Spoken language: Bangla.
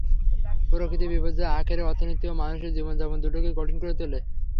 প্রকৃতির বিপর্যয় আখেরে অর্থনীতি ও মানুষের জীবনধারণ, দুটোকেই কঠিন করে তোলে।